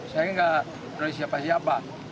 saya nggak tahu siapa siapa